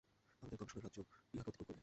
আমাদের গবেষণার রাজ্য ইহাকে অতিক্রম করিয়া।